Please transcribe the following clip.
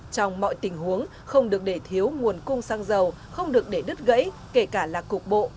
trong mọi tình huống không được để thiếu nguồn cung xăng dầu không được để đứt gãy kể cả là cục bộ